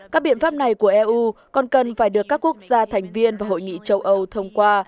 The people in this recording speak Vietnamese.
các biện pháp này của eu còn cần phải được các quốc gia thành viên và hội nghị châu âu thông qua